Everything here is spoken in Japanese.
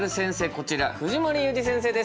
こちら藤森裕治先生です。